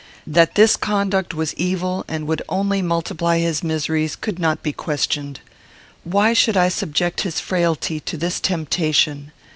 That this conduct was evil, and would only multiply his miseries, could not be questioned. Why should I subject his frailty to this temptation?